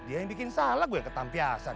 dia yang bikin salah gue yang ketampiasan